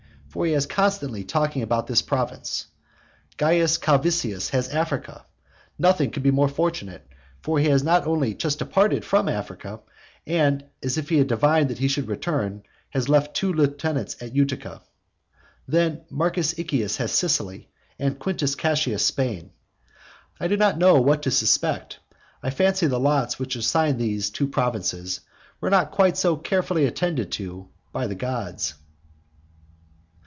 For he was constantly talking about this province. Caius Calvisius has Africa. Nothing could be more fortunate, for he had only just departed from Africa, and, as if he had divined that he should return, he left two lieutenants at Utica. Then Marcus Iccius has Sicily, and Quintus Cassius Spain. I do not know what to suspect. I fancy the lots which assigned these two provinces, were not quite so carefully attended to by the gods.